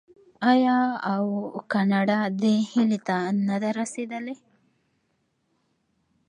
آیا او کاناډا دې هیلې ته نه ده رسیدلې؟